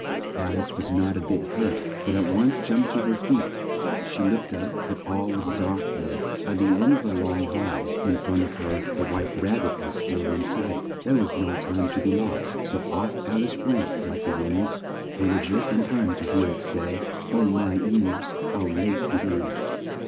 Al ice was not a bit hurt, but at once jumped to her feet. She looked up, but all was dark there. At the end of a long hall in front of her the white rab bit was still in sight. There was no time to be lost, so off Al ice went like the wind, and was just in time to hear it say, "Oh, my ears, how late it is!"